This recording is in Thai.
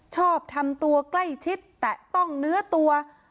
ชอบทำตัวใกล้ชิดแตะต้องเนื้อตัว